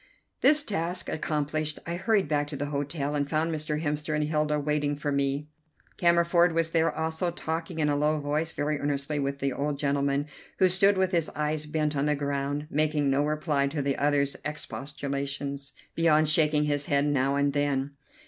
This task accomplished, I hurried back to the hotel, and found Mr. Hemster and Hilda waiting for me. Cammerford was there also, talking in a low voice very earnestly with the old gentleman, who stood with his eyes bent on the ground, making no reply to the other's expostulations beyond shaking his head now and then.